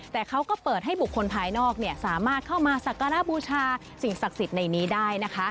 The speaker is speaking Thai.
แต่เขาก็เปิดให้บุคคลภายนอกสามารถเข้ามาสักการะบูชาสิ่งศักดิ์สิทธิ์ในนี้ได้นะคะ